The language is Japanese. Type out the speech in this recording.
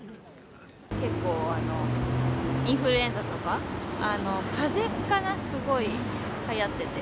結構、インフルエンザとか、かぜかな、すごいはやってて。